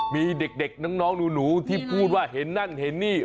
มีเด็กน้องหนูที่พูดว่าเห็นนั่นเห็นนี่